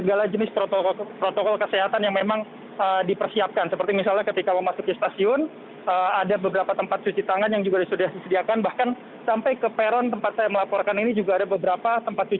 albi pratama stasiun gambir jakarta